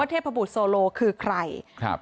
ว่าเทพพบุษโซโลคือใคร